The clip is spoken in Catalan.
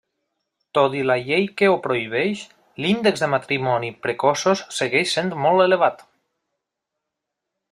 Tot i la llei que ho prohibeix, l'índex de matrimonis precoços segueix sent molt elevat.